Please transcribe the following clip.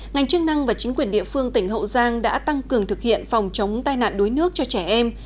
ngành chức năng và chính quyền địa phương tỉnh hậu giang đã tăng cường thực hiện phòng chống tai nạn đuối nước cho trẻ em